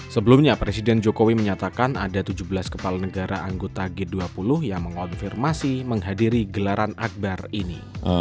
sebelumnya presiden jokowi menyatakan ada tujuh belas kepala negara anggota g dua puluh yang mengonfirmasi menghadiri gelaran akbar ini